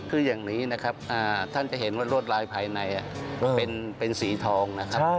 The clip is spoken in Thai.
คืออย่างนี้นะครับท่านจะเห็นว่ารวดลายภายในเป็นสีทองนะครับ